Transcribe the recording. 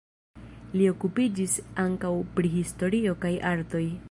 Li okupiĝis ankaŭ pri historio kaj artoj.